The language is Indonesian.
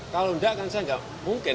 kalau enggak kan saya nggak mungkin